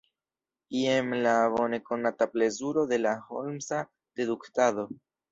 Jen la bonekonata plezuro de la holmsa deduktado.